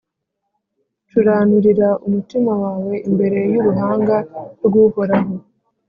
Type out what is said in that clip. curanurira umutima wawe imbere y’uruhanga rw’Uhoraho